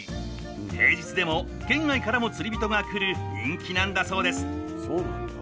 平日でも県外からも釣り人が来る人気なんだそうです。